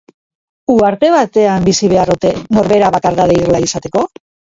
Uharte batean bizi behar ote, norbera bakardade irla izateko?